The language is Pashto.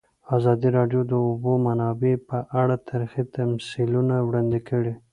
ازادي راډیو د د اوبو منابع په اړه تاریخي تمثیلونه وړاندې کړي.